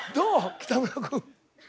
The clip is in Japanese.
北村君。